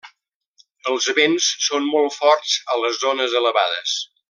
Els vents són molt forts a les zones elevades.